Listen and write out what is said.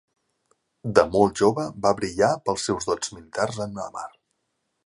De molt jove va brillar pels seus dots militars en el mar.